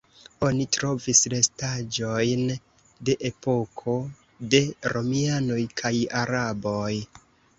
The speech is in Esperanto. Oni trovis restaĵojn de epoko de romianoj kaj araboj.